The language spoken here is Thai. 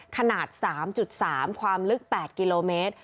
ขนาด๓๓ความลึก๘กิโลเมตร